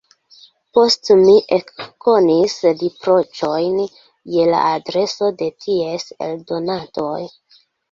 Poste mi ekkonis riproĉojn je la adreso de ties eldonantoj.